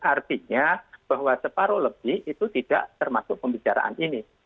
artinya bahwa separuh lebih itu tidak termasuk pembicaraan ini